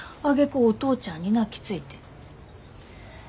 あげくお父ちゃんに泣きついて。